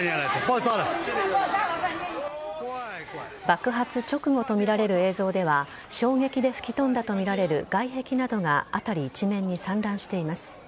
爆発直後とみられる映像では衝撃で吹き飛んだとみられる外壁などが辺り一面に散乱しています。